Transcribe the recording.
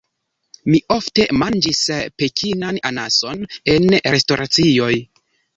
Mi ofte manĝis Pekinan Anason en restoracioj.